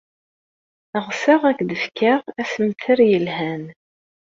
Ɣseɣ ad ak-d-fkeɣ assemter yelhan.